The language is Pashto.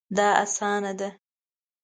دا اسانه ده